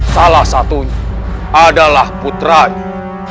salah satu adalah putrawu